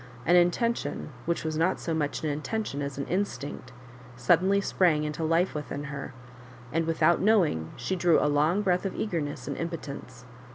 An intention, which was not so much an intention as an instinct, suddenly sprang into life within her ; and with out knowing, rfie drew a long breath of eager ness and impotence.